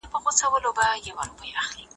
آواز وو خدای ورکړی